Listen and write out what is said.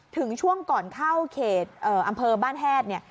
ถึงช่วงก่อนเข้าเขตอำเภอบ้านแห้ด